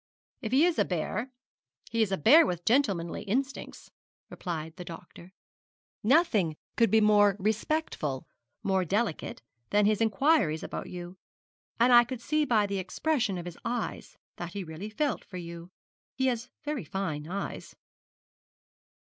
'If he is a bear, he is a bear with gentlemanly instincts,' replied the doctor. 'Nothing could be more respectful, more delicate, than his inquiries about you; and I could see by the expression of his eyes that he really felt for you. He has very fine eyes.'